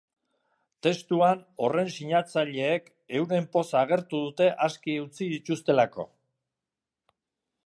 Testuan, horren sinatzaileek euren poza agertu dute aske utzi dituztelako.